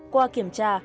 qua kiểm tra